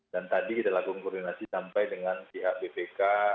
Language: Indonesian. dan tadi kita lakukan koordinasi sampai dengan pihak bpk